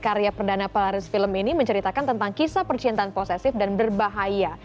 karya perdana pelaris film ini menceritakan tentang kisah percintaan posesif dan berbahaya